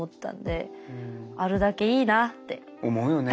思うよね。